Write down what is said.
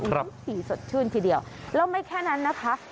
ทุกสีสดชื่นทีเดียวแล้วไม่แค่นั้นนะคะ